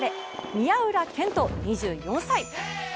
宮浦健人・２４歳。